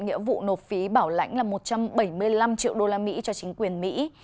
nghĩa vụ nộp phí bảo lãnh là một trăm bảy mươi năm triệu đô la mỹ cho chính quyền mỹ